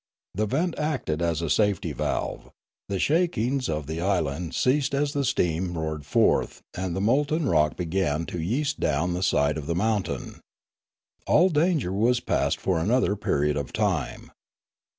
The vent acted as safety valve; the shakings of the island ceased as the steam roared forth, and the molten rock began to yeast down the side of the mountain. All danger was past for another period of time.